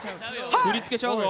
振り付けちゃうぞ。